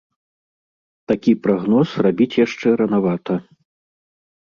Такі прагноз рабіць яшчэ ранавата.